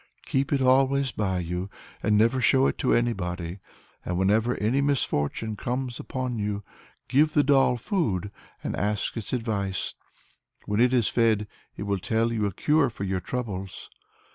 Keep it always by you, and never show it to anybody; and whenever any misfortune comes upon you, give the doll food, and ask its advice. When it has fed, it will tell you a cure for your troubles."